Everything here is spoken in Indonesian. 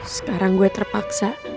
sekarang gue terpaksa